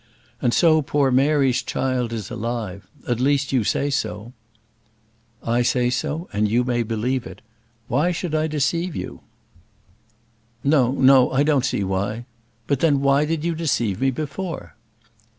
And so poor Mary's child is alive; at least, you say so." "I say so, and you may believe it. Why should I deceive you?" "No, no; I don't see why. But then why did you deceive me before?"